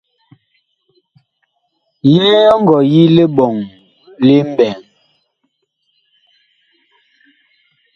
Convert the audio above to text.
Yee ɔ ngɔ yi liɓɔŋ li mɓɛɛŋ ?